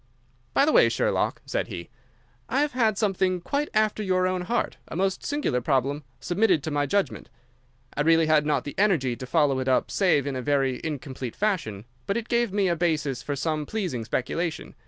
"By the way, Sherlock," said he, "I have had something quite after your own heart—a most singular problem—submitted to my judgment. I really had not the energy to follow it up save in a very incomplete fashion, but it gave me a basis for some pleasing speculation.